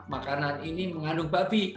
makanan ini mengandung babi